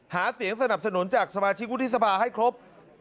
หาเสียงสนับสนุนจากสมาชิกวุฒิสภาให้ครบ